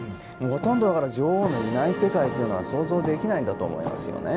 ほとんどが女王のいない世界が想像できないんだと思いますね。